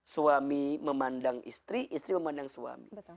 suami memandang istri istri memandang suami